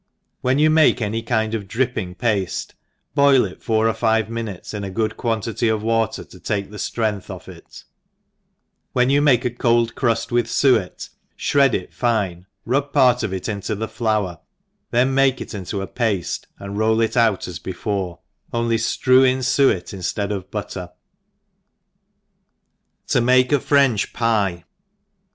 — When you make any kind of dripping pafte, boil it four or five minutes in a good q^uantity of water to take the ftrength oflF it ; when you make a cold cruft with fuet, (hred it fine, pour part of it into the flour^ then make it into a pafte, and roll it out as before (only ftrew in it fuet xnftead of butter). « 7(7 make a French Pvs.